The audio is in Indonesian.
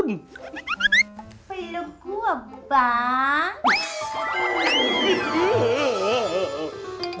peluk gua bang